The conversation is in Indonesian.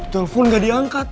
telpon gak diangkat